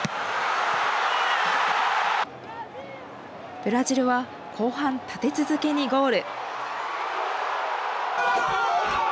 ブラジルは後半立て続けにゴール。